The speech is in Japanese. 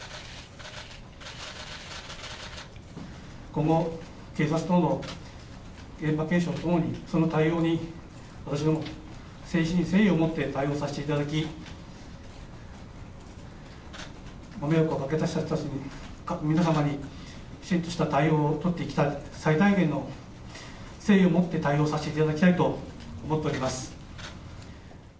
今後、警察の現場検証等のその対応に私ども、誠心誠意を持って対応させていただきご迷惑をおかけした皆様にきちんとした対応をとっていきたい最大限の誠意を持って対応させていただきたいと思っております。